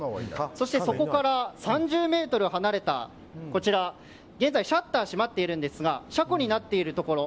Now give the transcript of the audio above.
そしてそこから３０ｍ離れた、こちら現在シャッターが閉まっているんですが車庫になっているところ